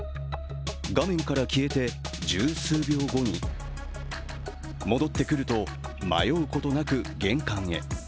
画面から消えて十数秒後に戻ってくると、迷うことなく玄関へ。